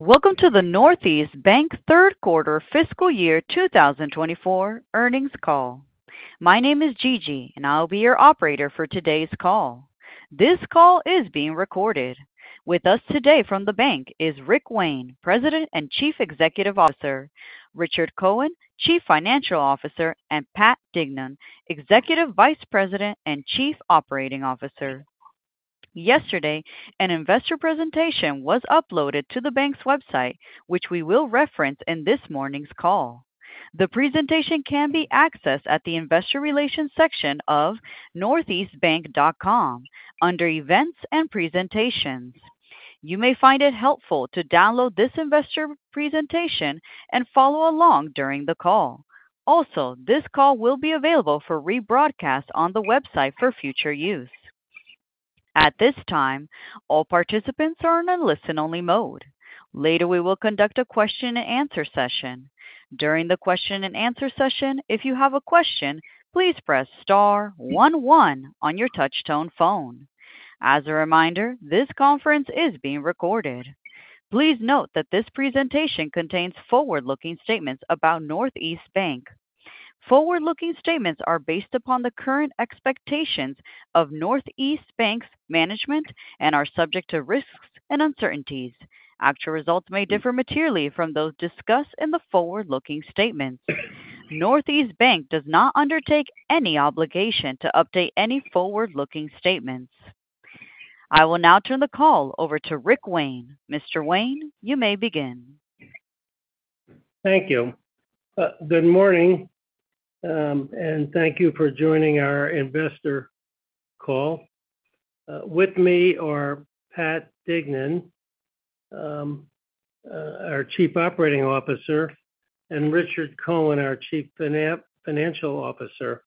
Welcome to the Northeast Bank Third Quarter Fiscal Year 2024 Earnings Call. My name is Gigi, and I'll be your operator for today's call. This call is being recorded. With us today from the bank is Rick Wayne, President and Chief Executive Officer, Richard Cohen, Chief Financial Officer, and Pat Dignan, Executive Vice President and Chief Operating Officer. Yesterday, an investor presentation was uploaded to the bank's website, which we will reference in this morning's call. The presentation can be accessed at the Investor Relations section of northeastbank.com under Events and Presentations. You may find it helpful to download this investor presentation and follow along during the call. Also, this call will be available for rebroadcast on the website for future use. At this time, all participants are in a listen-only mode. Later, we will conduct a question-and-answer session. During the question-and-answer session, if you have a question, please press star one one on your touch-tone phone. As a reminder, this conference is being recorded. Please note that this presentation contains forward-looking statements about Northeast Bank. Forward-looking statements are based upon the current expectations of Northeast Bank's management and are subject to risks and uncertainties. Actual results may differ materially from those discussed in the forward-looking statements. Northeast Bank does not undertake any obligation to update any forward-looking statements. I will now turn the call over to Rick Wayne. Mr. Wayne, you may begin. Thank you. Good morning, and thank you for joining our investor call. With me are Pat Dignan, our Chief Operating Officer, and Richard Cohen, our Chief Financial Officer.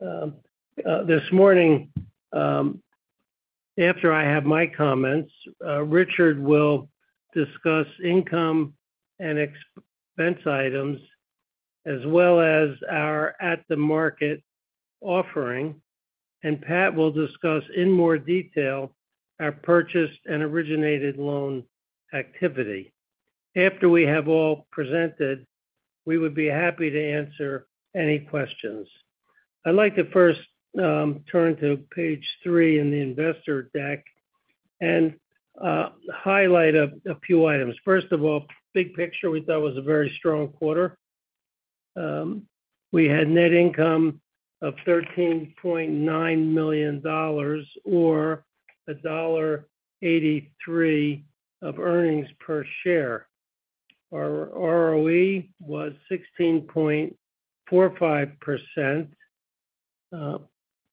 This morning, after I have my comments, Richard will discuss income and expense items as well as our at-the-market offering, and Pat will discuss in more detail our purchased and originated loan activity. After we have all presented, we would be happy to answer any questions. I'd like to first turn to page three in the investor deck and highlight a few items. First of all, big picture, we thought it was a very strong quarter. We had net income of $13.9 million or $1.83 of earnings per share. Our ROE was 16.45%. Our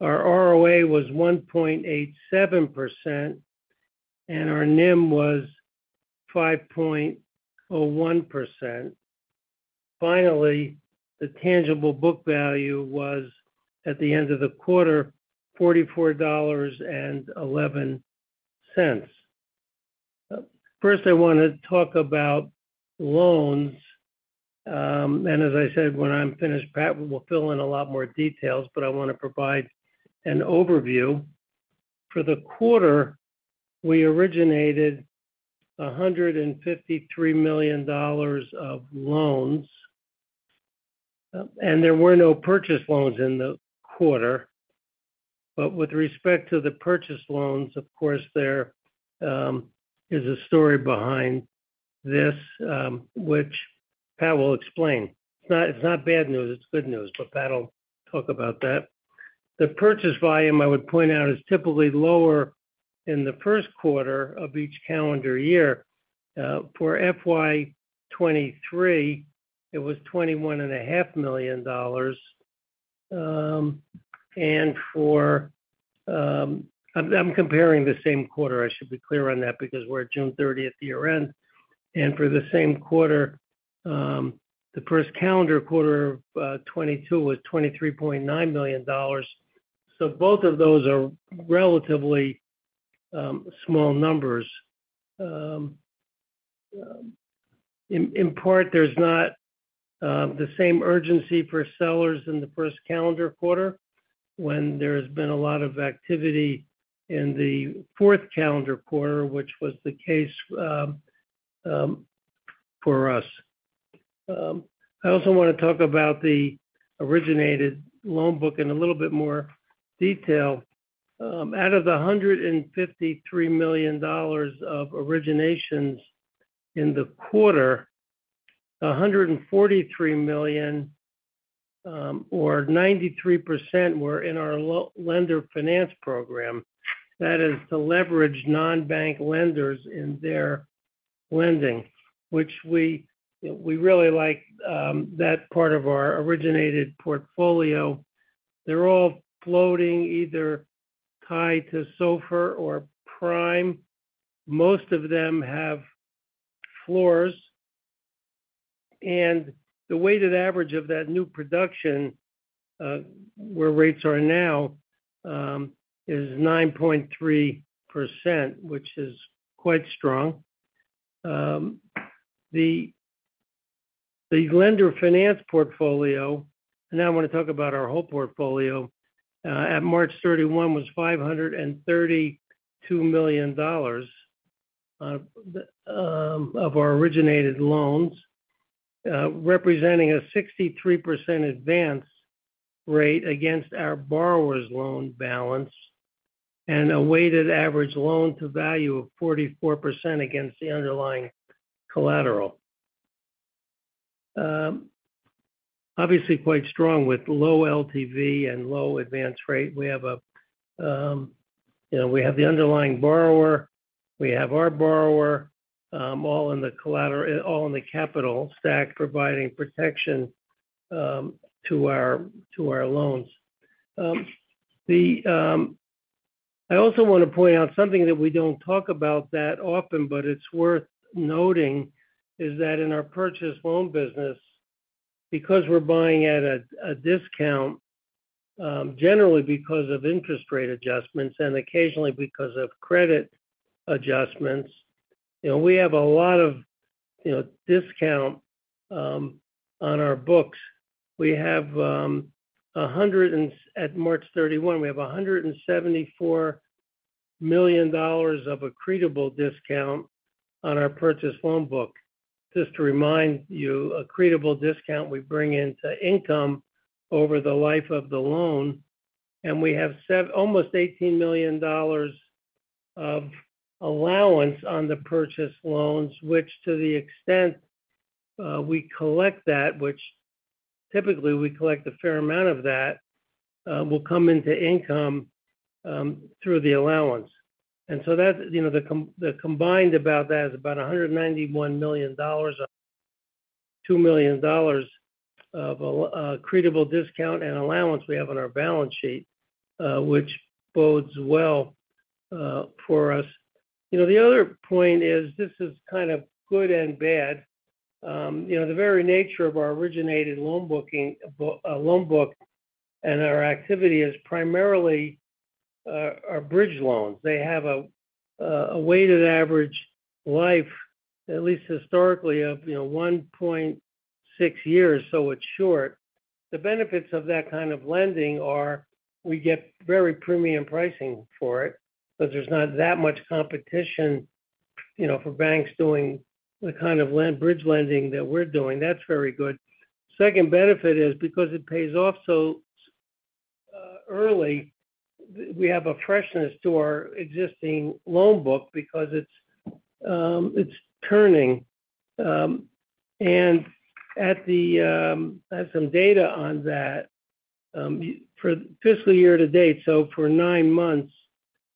ROA was 1.87%, and our NIM was 5.01%. Finally, the tangible book value was $44.11 at the end of the quarter. First, I want to talk about loans, and as I said, when I'm finished, Pat will fill in a lot more details, but I want to provide an overview. For the quarter, we originated $153 million of loans, and there were no purchase loans in the quarter. But with respect to the purchase loans, of course, there is a story behind this, which Pat will explain. It's not, it's not bad news, it's good news, but Pat will talk about that. The purchase volume, I would point out, is typically lower in the first quarter of each calendar year. For FY 2023, it was $21.5 million. I'm comparing the same quarter, I should be clear on that, because we're at June 30 year-end. And for the same quarter, the first calendar quarter of 2022 was $23.9 million. So both of those are relatively small numbers. In part, there's not the same urgency for sellers in the first calendar quarter when there's been a lot of activity in the fourth calendar quarter, which was the case for us. I also want to talk about the originated loan book in a little bit more detail. Out of the $153 million of originations in the quarter, $143 million or 93% were in our Lender Finance program. That is to leverage non-bank lenders in their lending, which we, we really like, that part of our originated portfolio. They're all floating, either tied to SOFR or Prime. Most of them have floors, and the weighted average of that new production, where rates are now, is 9.3%, which is quite strong. The lender finance portfolio, and now I'm gonna talk about our whole portfolio, at March 31 was $532 million, of our originated loans, representing a 63% advance rate against our borrower's loan balance, and a weighted average loan to value of 44% against the underlying collateral. Obviously, quite strong with low LTV and low advance rate. We have the underlying borrower, our borrower, all in the collateral, all in the capital stack, providing protection to our loans. I also wanna point out something that we don't talk about that often, but it's worth noting, is that in our purchase loan business, because we're buying at a discount, generally because of interest rate adjustments and occasionally because of credit adjustments we have a lot of discount on our books. We have, at March 31, $174 million of accretable discount on our purchase loan book. Just to remind you, accretable discount we bring into income over the life of the loan, and we have almost $18 million of allowance on the purchase loans, which to the extent we collect that, which typically we collect a fair amount of that, will come into income through the allowance. And so that's the combined about that is about $191 million. $2 million of accretable discount and allowance we have on our balance sheet, which bodes well for us. You know, the other point is, this is kind of good and bad. The very nature of our originated loan booking, loan book and our activity is primarily are bridge loans. They have a weighted average life, at least historically, of 1.6 years, so it's short. The benefits of that kind of lending are we get very premium pricing for it, but there's not that much competition for banks doing the kind of bridge lending that we're doing. That's very good. Second benefit is because it pays off so early, we have a freshness to our existing loan book because it's turning. And I have some data on that. For fiscal year to date, so for nine months,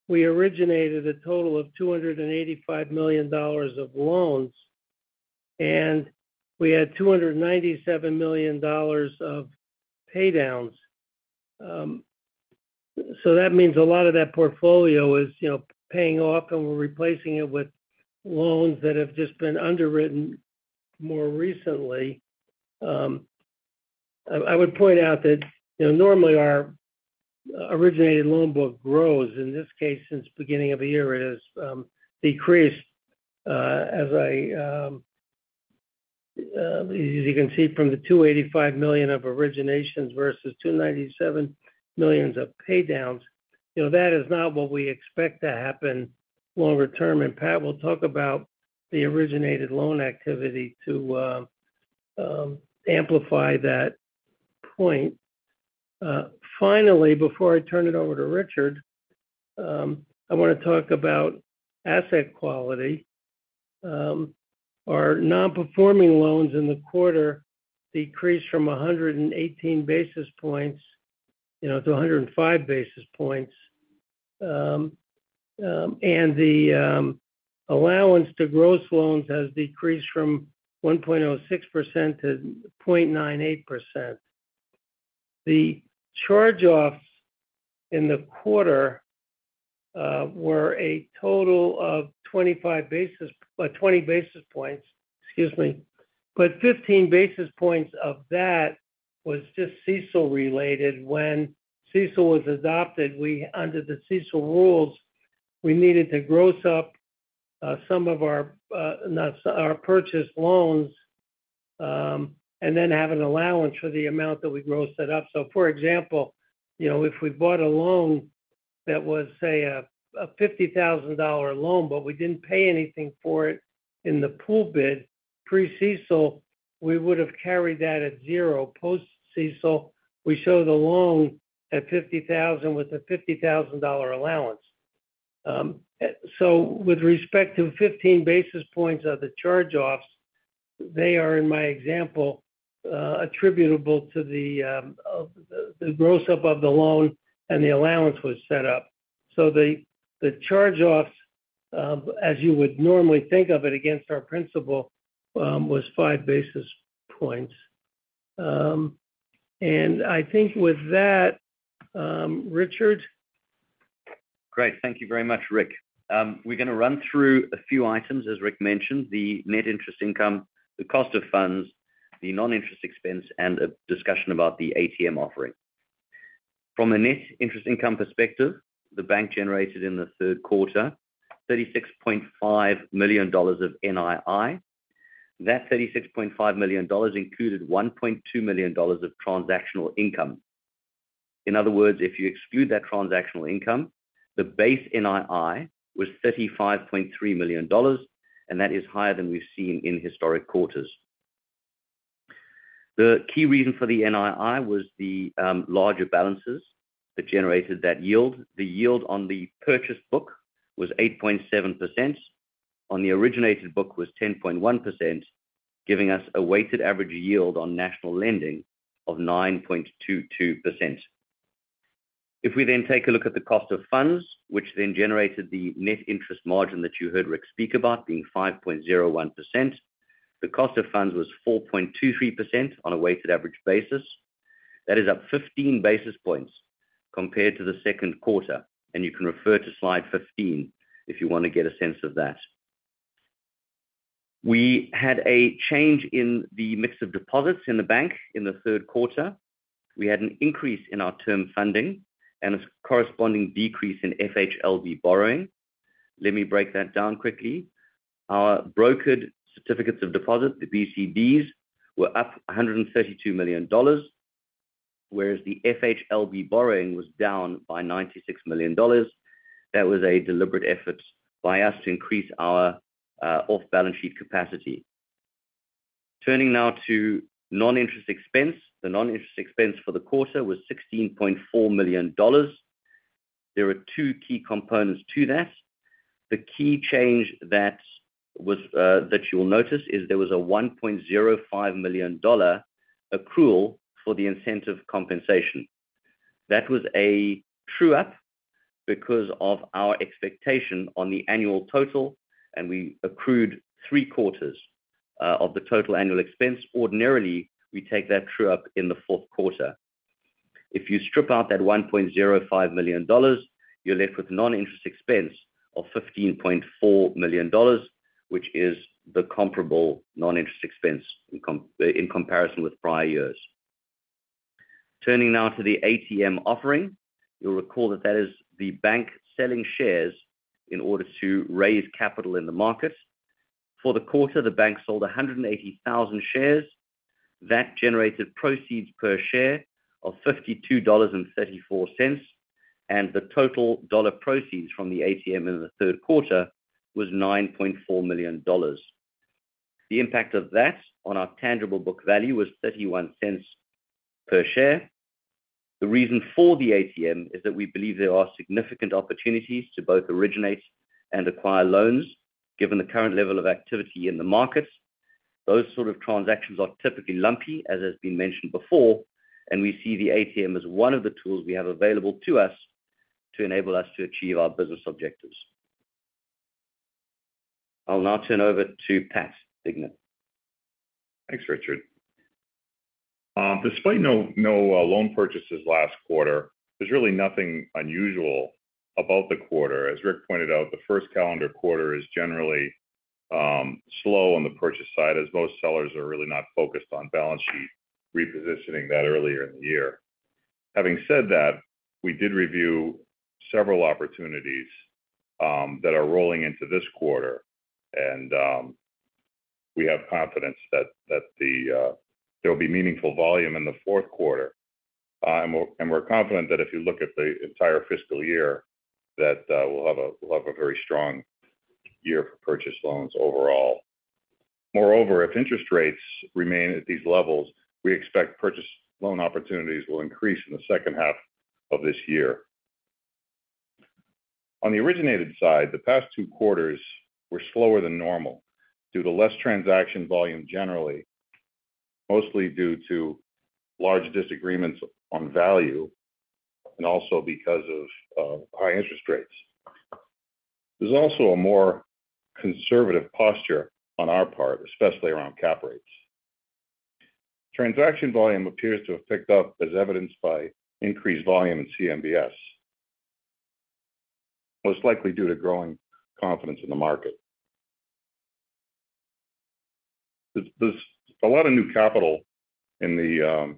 we originated a total of $285 million of loans, and we had $297 million of pay downs. So that means a lot of that portfolio is paying off, and we're replacing it with loans that have just been underwritten more recently. I would point out that normally our originated loan book grows. In this case, since beginning of the year, it has decreased, as you can see from the $285 million of originations versus $297 million of pay downs. You know, that is not what we expect to happen longer term, and Pat will talk about the originated loan activity to amplify that point. Finally, before I turn it over to Richard, I wanna talk about asset quality. Our non-performing loans in the quarter decreased from 118 basis points to 105 basis points. And the allowance to gross loans has decreased from 1.06% to 0.98%. The charge-offs in the quarter were a total of twenty basis points, excuse me. But 15 basis points of that was just CECL-related. When CECL was adopted, we, under the CECL rules, we needed to gross up some of our our purchased loans, and then have an allowance for the amount that we grossed it up. So for example if we bought a loan that was, say, a $50,000 loan, but we didn't pay anything for it in the pool bid, pre-CECL, we would have carried that at zero. Post-CECL, we show the loan at $50,000, with a $50,000 allowance. So with respect to 15 basis points of the charge-offs, they are, in my example, attributable to the gross up of the loan and the allowance was set up. So the charge-offs, as you would normally think of it against our principal, was 5 basis points. And I think with that, Richard? Great. Thank you very much, Rick. We're gonna run through a few items, as Rick mentioned, the net interest income, the cost of funds, the non-interest expense, and a discussion about the ATM offering. From a net interest income perspective, the bank generated in the third quarter $36.5 million of NII. That $36.5 million included $1.2 million of transactional income. In other words, if you exclude that transactional income, the base NII was $35.3 million, and that is higher than we've seen in historic quarters. The key reason for the NII was the larger balances that generated that yield. The yield on the purchase book was 8.7%. On the originated book was 10.1%, giving us a weighted average yield on national lending of 9.22%. If we then take a look at the cost of funds, which then generated the net interest margin that you heard Rick speak about, being 5.01%, the cost of funds was 4.23% on a weighted average basis. That is up 15 basis points compared to the second quarter, and you can refer to slide 15 if you want to get a sense of that. We had a change in the mix of deposits in the bank in the third quarter. We had an increase in our term funding and a corresponding decrease in FHLB borrowing. Let me break that down quickly. Our brokered certificates of deposit, the BCDs, were up $132 million, whereas the FHLB borrowing was down by $96 million. That was a deliberate effort by us to increase our off-balance sheet capacity. Turning now to non-interest expense. The non-interest expense for the quarter was $16.4 million. There are two key components to that. The key change that was that you'll notice is there was a $1.05 million accrual for the incentive compensation. That was a true-up because of our expectation on the annual total, and we accrued three quarters of the total annual expense. Ordinarily, we take that true-up in the fourth quarter. If you strip out that $1.05 million, you're left with non-interest expense of $15.4 million, which is the comparable non-interest expense in comparison with prior years. Turning now to the ATM offering. You'll recall that that is the bank selling shares in order to raise capital in the market. For the quarter, the bank sold 180,000 shares. That generated proceeds per share of $52.34, and the total dollar proceeds from the ATM in the third quarter was $9.4 million. The impact of that on our tangible book value was $0.31 per share. The reason for the ATM is that we believe there are significant opportunities to both originate and acquire loans, given the current level of activity in the market. Those sort of transactions are typically lumpy, as has been mentioned before, and we see the ATM as one of the tools we have available to us to enable us to achieve our business objectives. I'll now turn over to Pat Dignan. Thanks, Richard. Despite no loan purchases last quarter, there's really nothing unusual about the quarter. As Rick pointed out, the first calendar quarter is generally slow on the purchase side, as most sellers are really not focused on balance sheet repositioning that earlier in the year. Having said that, we did review several opportunities that are rolling into this quarter, and we have confidence that there'll be meaningful volume in the fourth quarter. And we're confident that if you look at the entire fiscal year, we'll have a very strong year for purchase loans overall. Moreover, if interest rates remain at these levels, we expect purchase loan opportunities will increase in the second half of this year. On the originated side, the past two quarters were slower than normal due to less transaction volume generally, mostly due to large disagreements on value and also because of high interest rates. There's also a more conservative posture on our part, especially around cap rates. Transaction volume appears to have picked up, as evidenced by increased volume in CMBS, most likely due to growing confidence in the market. There's a lot of new capital in the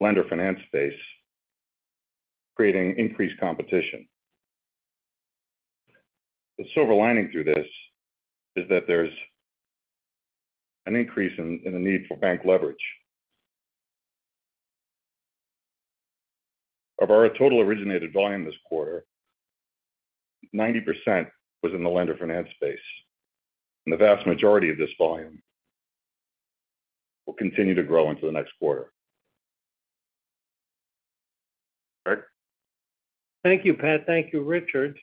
lender finance space, creating increased competition. The silver lining through this is that there's an increase in the need for bank leverage. Of our total originated volume this quarter, 90% was in the lender finance space, and the vast majority of this volume will continue to grow into the next quarter. Rick? Thank you, Pat. Thank you, Richard.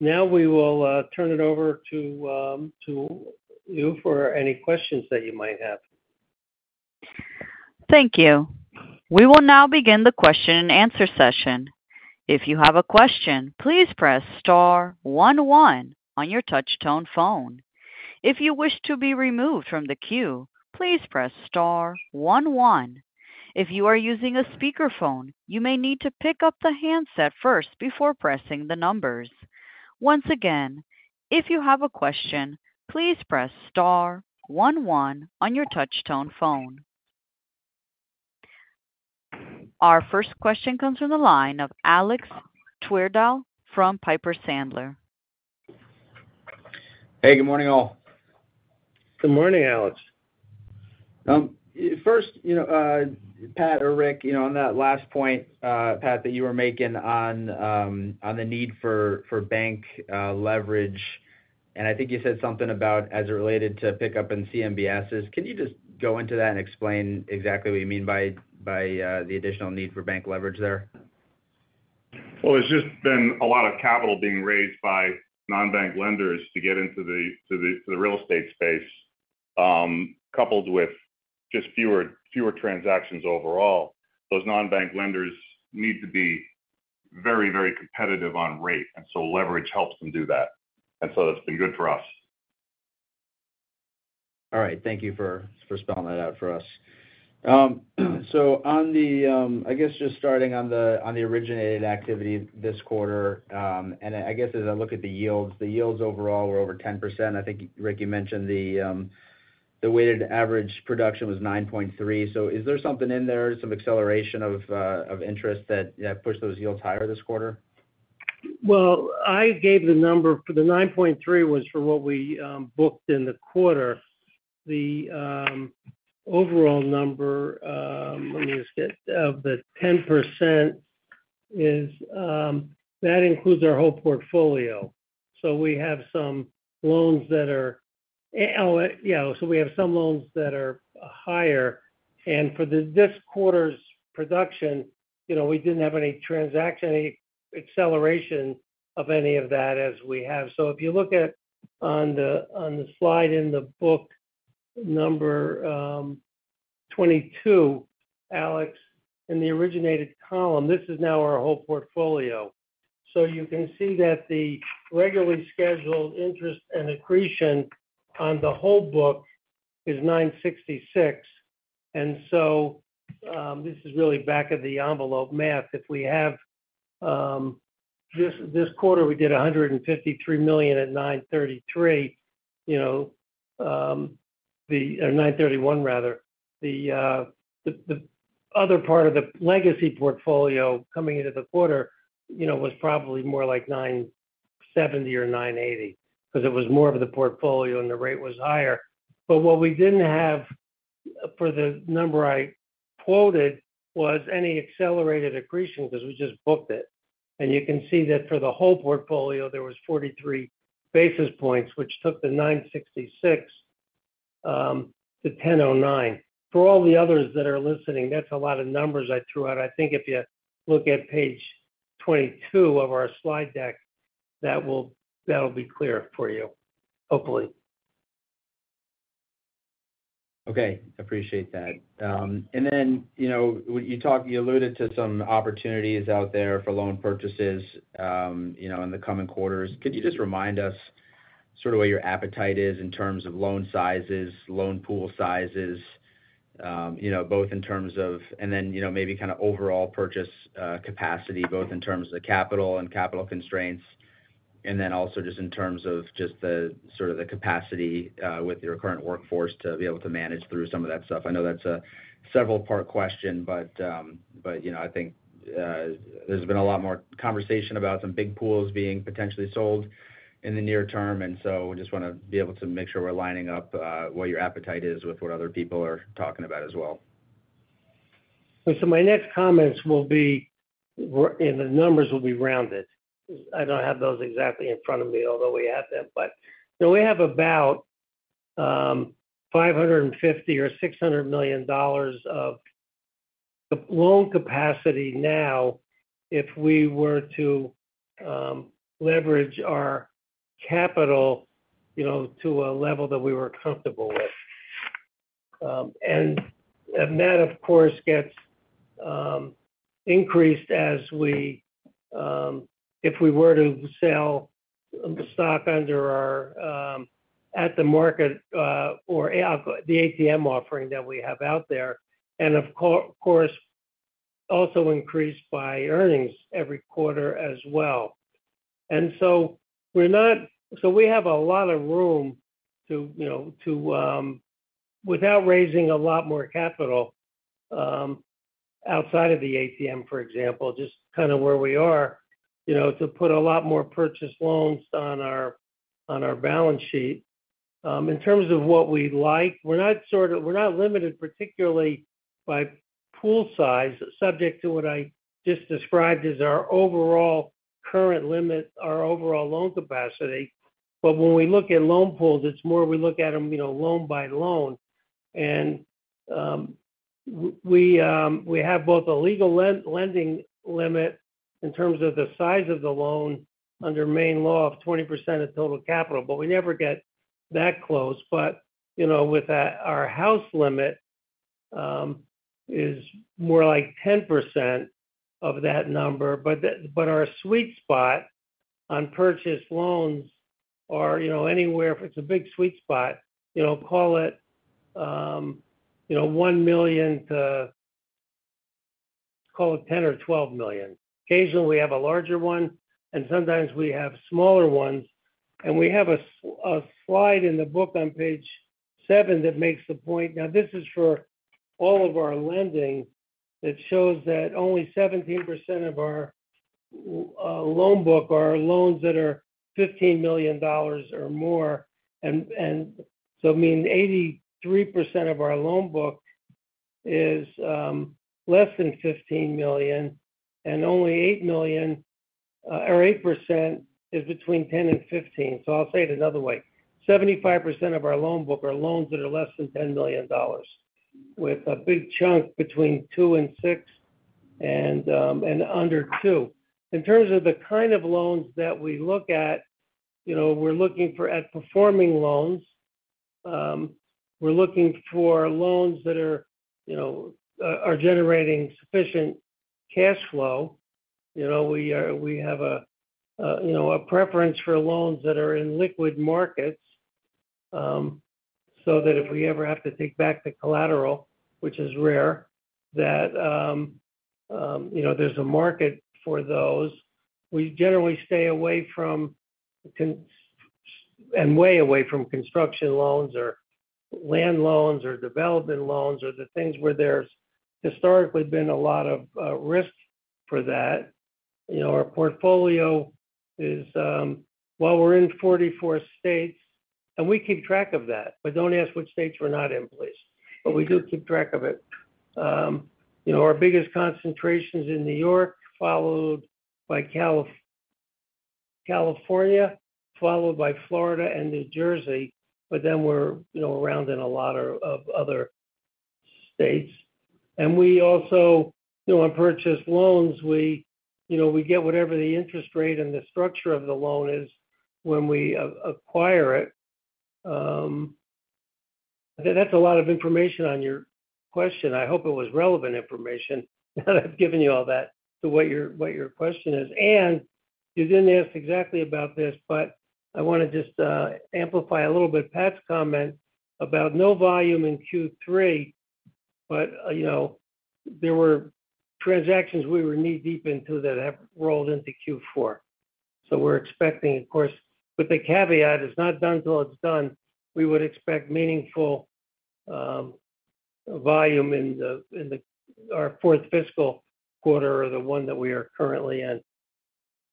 Now we will turn it over to you for any questions that you might have. Thank you. We will now begin the question and answer session. If you have a question, please press star one, one on your touchtone phone. If you wish to be removed from the queue, please press star one, one. If you are using a speakerphone, you may need to pick up the handset first before pressing the numbers. Once again, if you have a question, please press star one one on your touchtone phone. Our first question comes from the line of Alex Twerdahl from Piper Sandler. Hey, good morning, all. Good morning, Alex. First, Pat or Rick on that last point, Pat, that you were making on the need for bank leverage, and I think you said something about as it related to pickup and CMBSes. Can you just go into that and explain exactly what you mean by the additional need for bank leverage there? Well, there's just been a lot of capital being raised by non-bank lenders to get into the real estate space, coupled with just fewer transactions overall. Those non-bank lenders need to be very, very competitive on rate, and so leverage helps them do that. And so that's been good for us. All right, thank you for spelling that out for us. So on the originated activity this quarter, I guess, just starting on the originated activity this quarter, and I guess, as I look at the yields, the yields overall were over 10%. I think, Rick, you mentioned the weighted average production was 9.3. So is there something in there, some acceleration of interest that pushed those yields higher this quarter? Well, I gave the number, for the 9.3 was for what we booked in the quarter. The overall number, let me just get, of the 10% is that includes our whole portfolio. So we have some loans that are higher. And for this quarter's production we didn't have any transaction, any acceleration of any of that as we have. So if you look at on the slide in the book number 22, Alex, in the originated column, this is now our whole portfolio. So you can see that the regularly scheduled interest and accretion on the whole book is 9.66%. And so, this is really back-of-the-envelope math. If we have this quarter, we did $153 million at 9.33% or 9.31%, rather. The other part of the legacy portfolio coming into the quarter was probably more like 9.70% or 9.80%, 'cause it was more of the portfolio, and the rate was higher. But what we didn't have for the number I quoted was any accelerated accretion because we just booked it. And you can see that for the whole portfolio, there was 43 basis points, which took the 9.66%-10.09%. For all the others that are listening, that's a lot of numbers I threw out. I think if you look at page 22 of our slide deck, that will, that'll be clear for you, hopefully. Okay, appreciate that. And then when you talked, you alluded to some opportunities out there for loan purchases in the coming quarters. Could you just remind us sort of where your appetite is in terms of loan sizes, loan pool sizes both in terms of and maybe kind of overall purchase capacity, both in terms of the capital and capital constraints, and then also just in terms of just the, sort of the capacity with your current workforce to be able to manage through some of that stuff. I know that's a several-part question, but I think there's been a lot more conversation about some big pools being potentially sold in the near term, and so we just wanna be able to make sure we're lining up what your appetite is with what other people are talking about as well. So my next comments will be, and the numbers will be rounded. I don't have those exactly in front of me, although we have them. But so we have about $550 million-$600 million of the loan capacity now, if we were to leverage our capital to a level that we were comfortable with. And that, of course, gets increased as we, if we were to sell stock under our at the market or the ATM offering that we have out there, and of course, also increased by earnings every quarter as well. So we have a lot of room to, without raising a lot more capital, outside of the ATM, for example, just kind of where we are to put a lot more purchase loans on our, on our balance sheet. In terms of what we'd like, we're not limited, particularly by pool size, subject to what I just described as our overall current limit, our overall loan capacity. When we look at loan pools, it's more we look at them loan by loan. We have both a legal lending limit in terms of the size of the loan under Maine law of 20% of total capital, but we never get that close. With that, our house limit is more like 10% of that number. But our sweet spot on purchased loans are anywhere. It's a big sweet spot call it $1 million to call it $10 or $12 million. Occasionally, we have a larger one, and sometimes we have smaller ones, and we have a slide in the book on page 7 that makes the point. Now, this is for all of our lending. It shows that only 17% of our loan book are loans that are $15 million or more. And so, I mean, 83% of our loan book is less than $15 million, and only 8% is between $10 million and $15 million. So I'll say it another way. 75% of our loan book are loans that are less than $10 million, with a big chunk between $2 million and $6 million and under $2 million. In terms of the kind of loans that we look at we're looking for performing loans. We're looking for loans that are generating sufficient cash flow. We have a preference for loans that are in liquid markets, so that if we ever have to take back the collateral, which is rare, that there's a market for those. We generally stay away from construction and way away from construction loans or land loans, or development loans, or the things where there's historically been a lot of risk for that. You know, our portfolio is, well, we're in 44 states, and we keep track of that, but don't ask which states we're not in, please, but we do keep track of it. You know, our biggest concentration is in New York, followed by California, followed by Florida and New Jersey, but then we're around in a lot of other states. And we also on purchase loans we get whatever the interest rate and the structure of the loan is when we acquire it. That's a lot of information on your question. I hope it was relevant information now that I've given you all that to what your question is. You didn't ask exactly about this, but I want to just amplify a little bit Pat's comment about no volume in Q3, but there were transactions we were knee-deep into that have rolled into Q4. So we're expecting, of course, but the caveat is not done till it's done. We would expect meaningful volume in our fourth fiscal quarter or the one that we are currently in.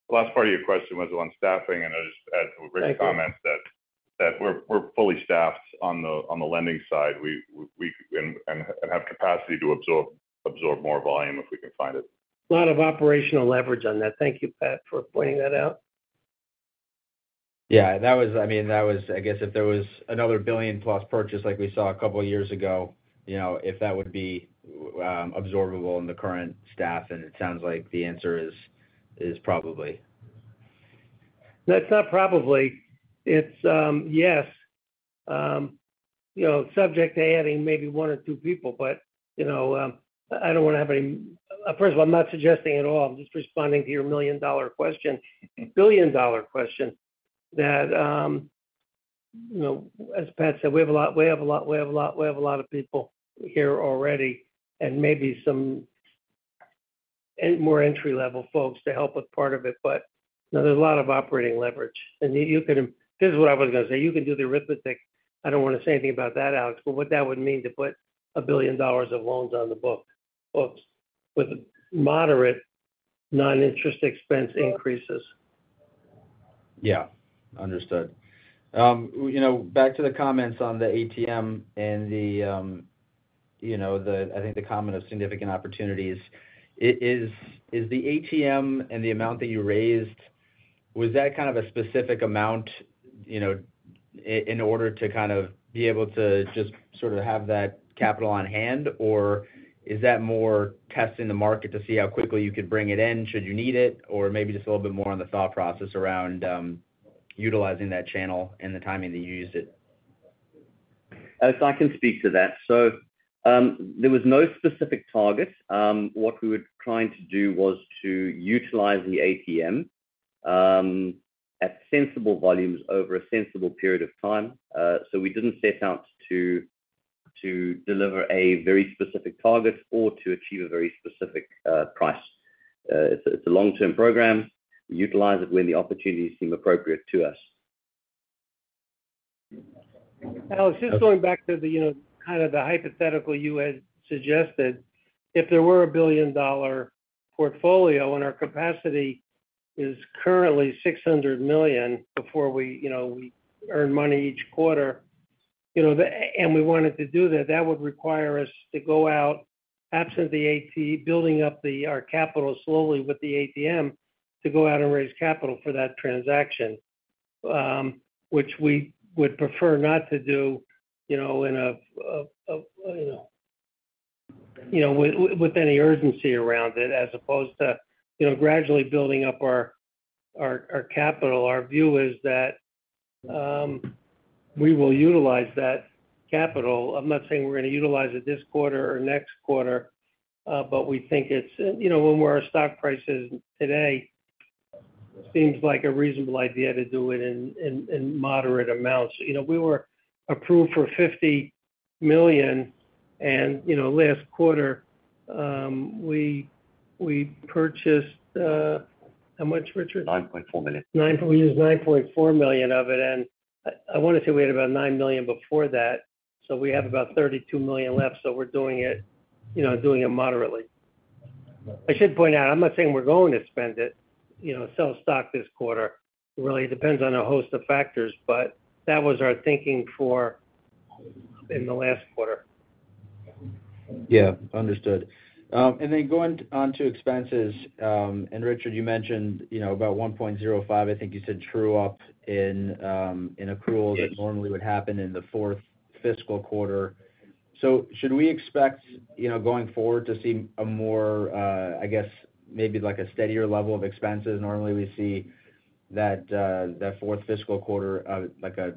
The last part of your question was on staffing, and I just add Rick's comments- Thank you. That we're fully staffed on the lending side. We have capacity to absorb more volume if we can find it. A lot of operational leverage on that. Thank you, Pat, for pointing that out. If there was another billion+ purchase like we saw a couple of years ago if that would be absorbable in the current staff, and it sounds like the answer is probably. That's not probably. It's, yes. Subject to adding maybe one or two people, but I don't want to have any. First of all, I'm not suggesting at all, I'm just responding to your million-dollar question, billion-dollar question, that as Pat said, we have a lot, we have a lot, we have a lot, we have a lot of people here already and maybe some and more entry-level folks to help with part of it, but there's a lot of operating leverage. And you can—this is what I was gonna say, you can do the arithmetic. I don't want to say anything about that, Alex, but what that would mean to put $1 billion of loans on the books with moderate non-interest expense increases. Yeah. Understood. Back to the comments on the ATM and the comment of significant opportunities. Is the ATM and the amount that you raised, was that kind of a specific amount in order to kind of be able to just sort of have that capital on hand? Or is that more testing the market to see how quickly you could bring it in, should you need it, or maybe just a little bit more on the thought process around utilizing that channel and the timing that you used it? Alex, I can speak to that. So, there was no specific target. What we were trying to do was to utilize the ATM at sensible volumes over a sensible period of time. So we didn't set out to deliver a very specific target or to achieve a very specific price. It's a long-term program. We utilize it when the opportunities seem appropriate to us. Alex, just going back to the kind of the hypothetical you had suggested. If there were a $1 billion portfolio and our capacity is currently $600 million before we we earn money each quarter and we wanted to do that, that would require us to go out absent the AT, building up our capital slowly with the ATM, to go out and raise capital for that transaction, which we would prefer not to do with any urgency around it, as opposed to gradually building up our capital. Our view is that, we will utilize that capital. I'm not saying we're gonna utilize it this quarter or next quarter, but we think it's when where our stock price is today seems like a reasonable idea to do it in moderate amounts. We were approved for $50 million and last quarter, we purchased how much, Richard? $9.4 million. We used $9.4 million of it, and I wanna say we had about $9 million before that, so we have about $32 million left, so we're doing it moderately. I should point out, I'm not saying we're going to spend it sell stock this quarter. It really depends on a host of factors, but that was our thinking for the last quarter. Yeah, understood. Then going on to expenses, and Richard, you mentioned about $1.05, I think you said, true up in accrual that normally would happen in the fourth fiscal quarter. So should we expect going forward, to see a more, I guess maybe like a steadier level of expenses? Normally, we see that fourth fiscal quarter of like a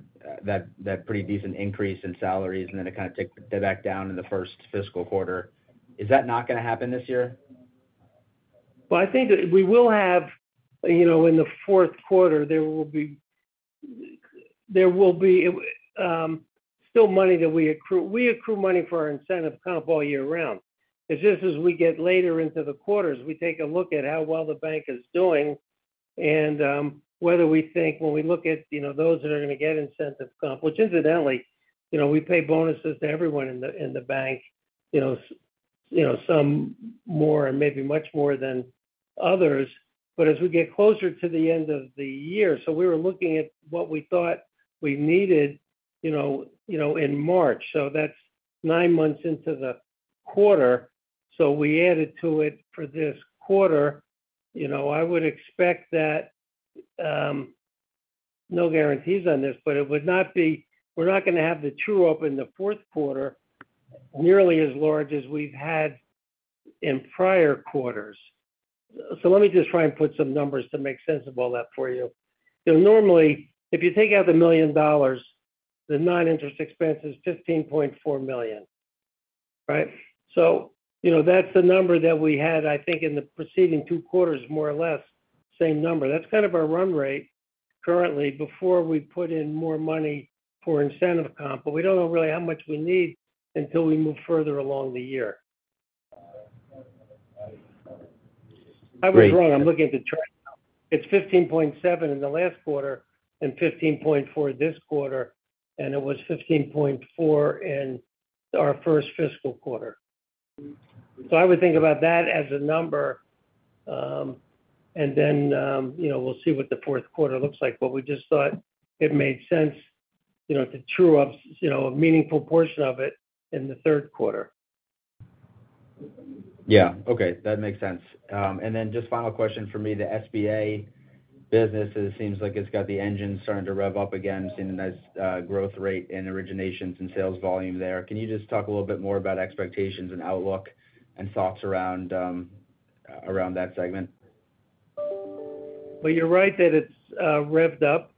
pretty decent increase in salaries, and then it kind of take back down in the first fiscal quarter. Is that not gonna happen this year? Well, I think that we will have in the fourth quarter, there will be still money that we accrue. We accrue money for our incentive comp all year round. It's just as we get later into the quarters, we take a look at how well the bank is doing and whether we think when we look at those that are gonna get incentive comp, which incidentally we pay bonuses to everyone in the bank. You know, some more and maybe much more than others. But as we get closer to the end of the year, so we were looking at what we thought we needed in March, so that's nine months into the quarter. So we added to it for this quarter. I would expect that, no guarantees on this, but we're not gonna have the true up in the fourth quarter, nearly as large as we've had in prior quarters. So let me just try and put some numbers to make sense of all that for you. So normally, if you take out the $1 million, the non-interest expense is $15.4 million, right? That's the number that we had, I think, in the preceding two quarters, more or less, same number. That's kind of our run rate currently before we put in more money for incentive comp, but we don't know really how much we need until we move further along the year. I was wrong. I'm looking at the chart now. It's 15.7 in the last quarter and 15.4 this quarter, and it was 15.4 in our first fiscal quarter. So I would think about that as a number, and then we'll see what the fourth quarter looks like, but we just thought it made sense to true up a meaningful portion of it in the third quarter. Yeah. Okay, that makes sense. And then just final question for me, the SBA business, it seems like it's got the engine starting to rev up again, seeing a nice growth rate in originations and sales volume there. Can you just talk a little bit more about expectations and outlook and thoughts around that segment? Well, you're right that it's revved up.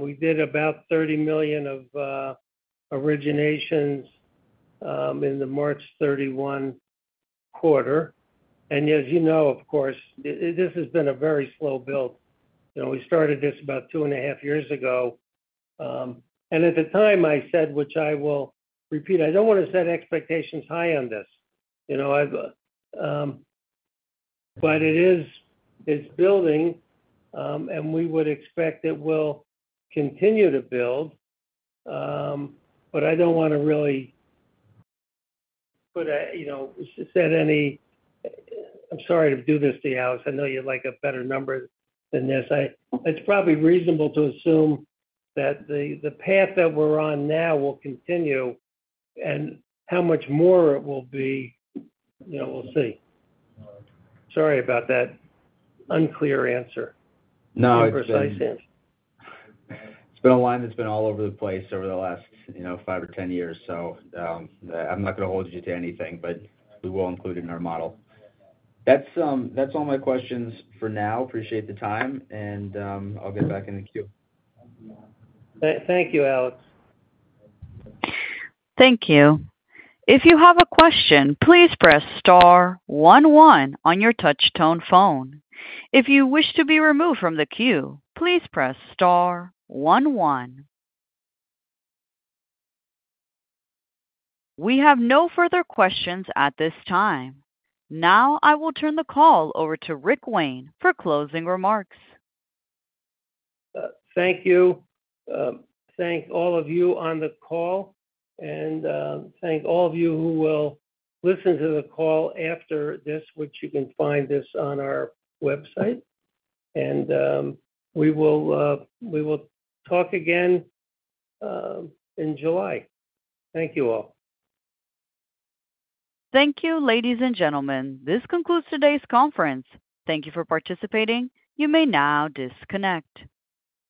We did about $30 million of originations in the March 31 quarter. Of course, this has been a very slow build. You know, we started this about two and a half years ago. And at the time, I said, which I will repeat, I don't want to set expectations high on this. But it is, it's building, and we would expect it will continue to build, I'm sorry to do this to you, Alex. I know you'd like a better number than this. It's probably reasonable to assume that the path that we're on now will continue, and how much more it will be we'll see. Sorry about that unclear answer. Imprecise answer. It's been a line that's been all over the place over the last five or 10 years, so, I'm not gonna hold you to anything, but we will include it in our model. That's, that's all my questions for now. Appreciate the time, and, I'll get back in the queue. Thank you, Alex. Thank you. If you have a question, please press star one one on your touch tone phone. If you wish to be removed from the queue, please press star one one. We have no further questions at this time. Now, I will turn the call over to Rick Wayne for closing remarks. Thank you. Thank all of you on the call and thank all of you who will listen to the call after this, which you can find this on our website. We will talk again in July. Thank you all. Thank you, ladies and gentlemen. This concludes today's conference. Thank you for participating. You may now disconnect.